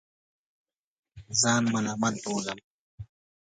ځان ملامت بولم.